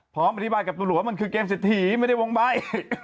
พร้อมอธิบายกับตำรวจว่ามันคือเกมเศรษฐีไม่ได้วงใบ